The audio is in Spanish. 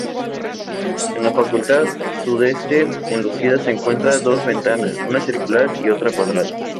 En la fachada sudeste, enlucida, se encuentran dos ventanas, una circular y otra cuadrada.